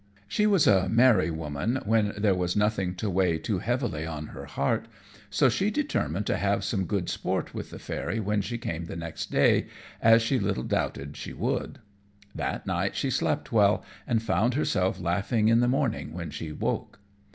_] She was a merry woman when there was nothing to weigh too heavily on her heart, so she determined to have some sport with the Fairy when she came the next day, as she little doubted she would. That night she slept well, and found herself laughing in the morning when she woke.